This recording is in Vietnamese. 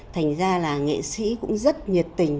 thành ra là nghệ sĩ cũng rất nhiệt tình